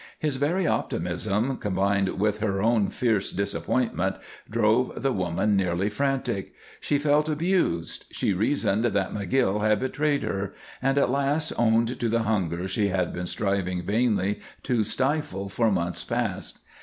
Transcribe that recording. His very optimism, combined with her own fierce disappointment, drove the woman nearly frantic. She felt abused, she reasoned that McGill had betrayed her, and at last owned to the hunger she had been striving vainly to stifle for months past.